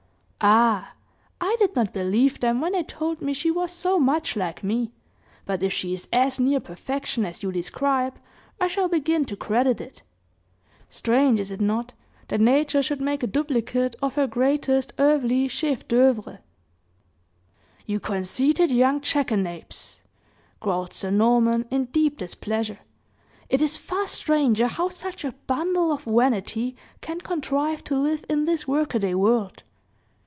"Ah! I did not believe them, when they told me she was so much like me; but if she is as near perfection as you describe, I shall begin to credit it. Strange, is it not, that nature should make a duplicate of her greatest earthly chef d'oeuvre?" "You conceited young jackanapes!" growled Sir Norman, in deep displeasure. "It is far stranger how such a bundle of vanity can contrive to live in this work a day world.